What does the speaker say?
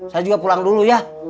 saya juga pulang dulu ya